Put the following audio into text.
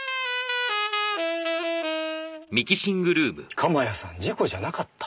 鎌谷さん事故じゃなかった？